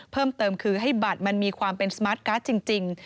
เพิ่มเติมคือให้บัตรมันมีความเป็นสมาร์ทการ์ดจริง